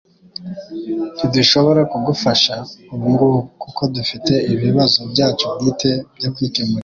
Ntidushobora kugufasha ubungubu kuko dufite ibibazo byacu bwite byo kwikemurira.